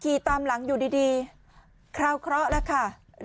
กี่ตามหลังอยู่ดีเข้าเคอะแหละค่ะ